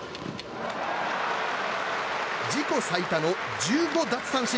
自己最多の１５奪三振。